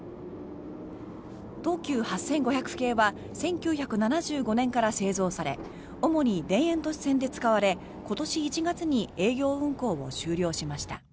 東急８５００系は１９７５年から製造され主に田園都市線で使われ今年１月に営業運行を終了しました。